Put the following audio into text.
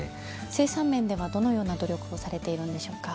生産面ではどのような努力をされているんでしょうか？